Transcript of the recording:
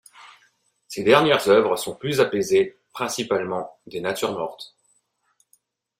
Ses dernières oeuvres sont plus apaisées, principalement des natures mortes.